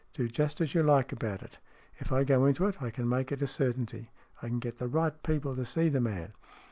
Do just as you like about it. If I go into it I can make it a certainty. I can get the right people to see the man."